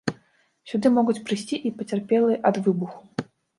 Сюды могуць прыйсці і пацярпелыя ад выбуху.